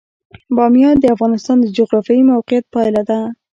بامیان د افغانستان د جغرافیایي موقیعت پایله ده.